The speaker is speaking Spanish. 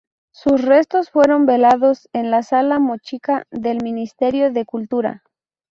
Sus restos fueron velados en la sala Mochica del Ministerio de Cultura.